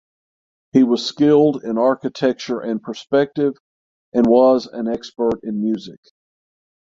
He was skilled in architecture and perspective and was an expert in music.